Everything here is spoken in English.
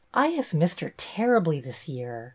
" I have missed her terribly this year.